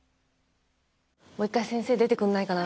もう一回先生出てくんないかな。